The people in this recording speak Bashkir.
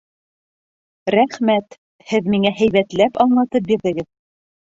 Рәхмәт, һеҙ миңә һәйбәтләп аңлатып бирҙегеҙ.